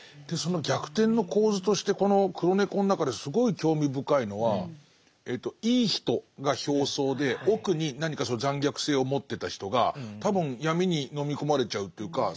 でその逆転の構図としてこの「黒猫」の中ですごい興味深いのはいい人が表層で奥に何かその残虐性を持ってた人が多分闇に飲み込まれちゃうというか